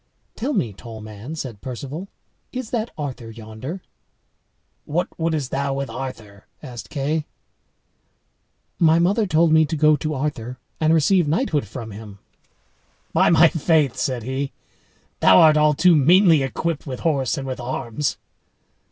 "Tell me, tall man," said Perceval, "is that Arthur yonder?" "What wouldst thou with Arthur?" asked Kay. "My mother told me to go to Arthur and receive knighthood from him." "By my faith," said he, "thou art all too meanly equipped with horse and with arms."